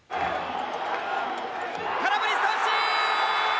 空振り三振！